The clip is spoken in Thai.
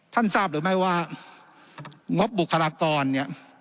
ทราบหรือไม่ว่างบบุคลากรเนี่ย